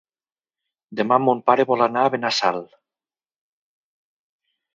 Demà mon pare vol anar a Benassal.